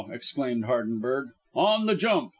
exclaimed Hardenberg. "On the jump!